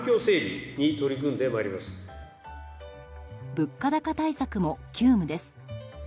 物価高対策も急務です。